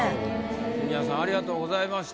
ジュニアさんありがとうございました。